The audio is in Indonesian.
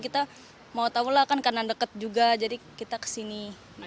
kita mau tahulah kan karena dekat juga jadi kita ke sini